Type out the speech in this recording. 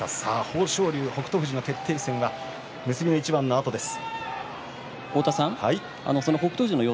豊昇龍、北勝富士の決定戦は結びの一番のあとです。